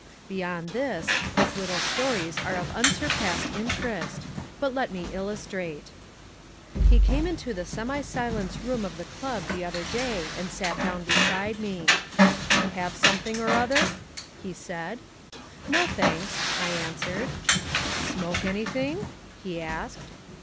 Beyond this, his little stories are of unsurpassed interest but let me illustrate. ....... He came into the semi silence room of the club the other day and sat down beside me. "Have something or other?" he said. "No, thanks," I answered. "Smoke anything?" he asked.